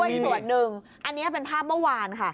อีกส่วนหนึ่งอันนี้เป็นภาพเมื่อวานค่ะ